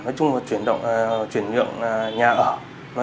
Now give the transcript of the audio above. nói chung là chuyển nhượng nhà ở